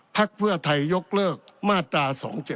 พักเพื่อไทยยกเลิกมาตรา๒๗๒